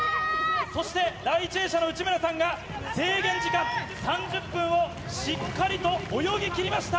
そして、第１泳者の内村さんが制限時間３０分をしっかりと泳ぎきりました。